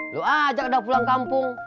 lo ajak dah pulang kampung